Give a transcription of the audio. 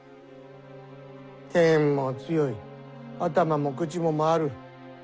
剣も強い頭も口も回る。